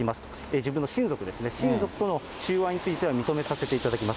自分の親族ですね、親族との収賄については認めさせていただきます。